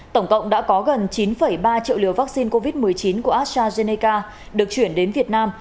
tổng cộng đã có gần chín ba triệu liều vaccine covid một mươi chín của astrazeneca được chuyển đến việt nam